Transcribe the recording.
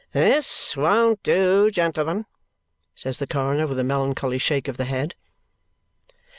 "This won't do, gentlemen!" says the coroner with a melancholy shake of the head.